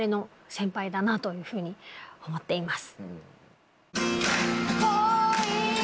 だなというふうに思っています。